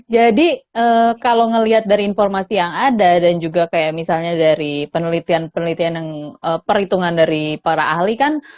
jadi kalau ngelihat dari informasi yang ada dan juga kayak misalnya dari penelitian penelitian yang perhitungan dari para ahli kan